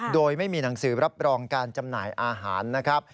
โดยไม่มีหนังสือรับรองการจำหน่ายอาหารนะครับ